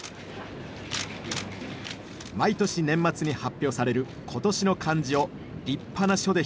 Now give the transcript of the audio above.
毎年年末に発表される「今年の漢字」を立派な書で表現しているあの方です。